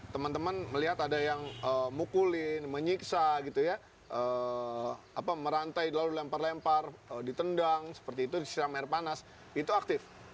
teman teman melihat ada yang mukulin menyiksa gitu ya merantai lalu dilempar lempar ditendang seperti itu disiram air panas itu aktif